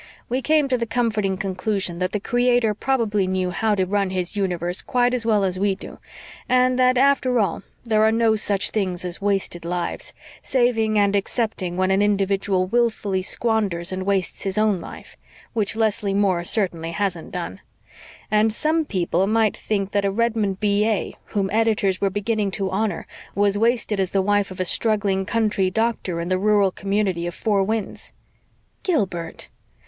We came to the comforting conclusion that the Creator probably knew how to run His universe quite as well as we do, and that, after all, there are no such things as 'wasted' lives, saving and except when an individual wilfully squanders and wastes his own life which Leslie Moore certainly hasn't done. And some people might think that a Redmond B.A., whom editors were beginning to honor, was 'wasted' as the wife of a struggling country doctor in the rural community of Four Winds." "Gilbert!"